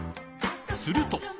すると！